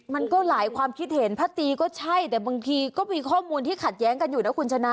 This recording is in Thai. มันก็หลายความคิดเห็นพระตีก็ใช่แต่บางทีก็มีข้อมูลที่ขัดแย้งกันอยู่นะคุณชนะ